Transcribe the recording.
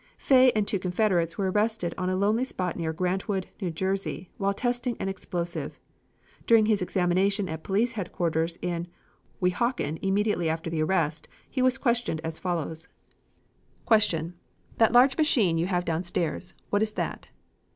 ..." Fay and two confederates were arrested in a lonely spot near Grantwood, New Jersey, while testing an explosive. During his examination at police headquarters in Weehawken immediately after the arrest he was questioned as follows: Q. That large machine you have downstairs, what is that?